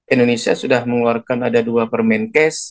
indonesia sudah mengeluarkan ada dua permen kes